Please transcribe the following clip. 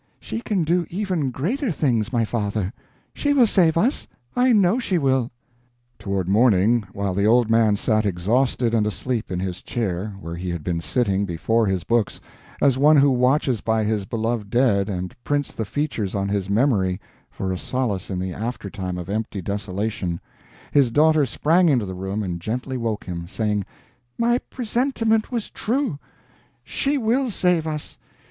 "She can do even greater things, my father. She will save us, I know she will." Toward morning, while the old man sat exhausted and asleep in his chair where he had been sitting before his books as one who watches by his beloved dead and prints the features on his memory for a solace in the aftertime of empty desolation, his daughter sprang into the room and gently woke him, saying "My presentiment was true! She will save us.